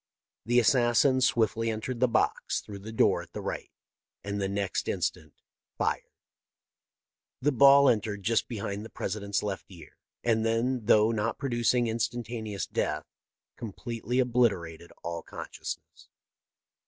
" The assassin swiftly entered the box through the door at the right, and the next instant fired. T?IE LIFE OF LINCOLN: 567 The ball entered just behind the President's left ear, and, thougn not producing instantaneous death, completely obliterated all consciousness.